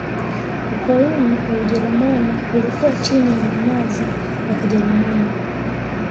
ukoloni wa ujerumani ulikuwa chini ya wanazi wa kijerumani